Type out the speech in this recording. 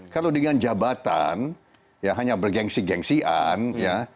kalau dengan jabatan ya hanya bergensi gengsian ya